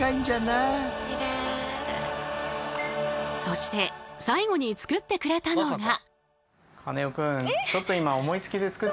そして最後に作ってくれたのが。